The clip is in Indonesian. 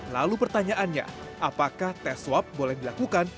lalu pertanyaannya apakah tes swab boleh dilakukan